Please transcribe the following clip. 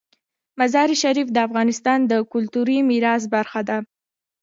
مزارشریف د افغانستان د کلتوري میراث برخه ده.